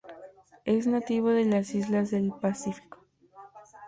Es nativo de las islas de´Pacífico.